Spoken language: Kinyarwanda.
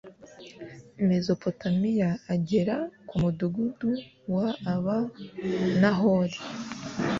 Mezopotamiya agera ku mudugudu w aba Nahori